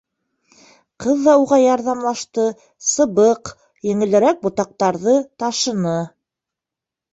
Ҡыҙ ҙа уға ярҙамлашты, сыбыҡ, еңелерәк ботаҡтарҙы ташыны.